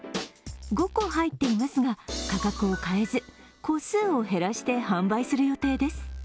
５個入っていますが、価格を変えず個数を減らして販売する予定です。